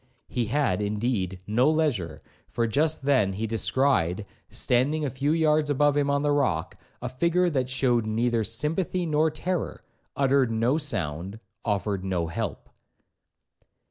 He had, indeed, no leisure, for just then he descried, standing a few yards above him on the rock, a figure that shewed neither sympathy or terror,—uttered no sound,—offered no help.